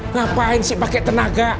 ngapain sih pakai tenaga